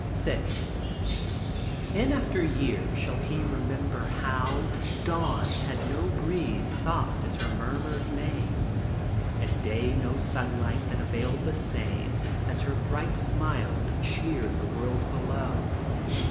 VI. In after years shall he remember how Dawn had no breeze soft as her murmured name? And day no sunlight that availed the same As her bright smile to cheer the world below?